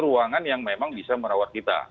ruangan yang memang bisa merawat kita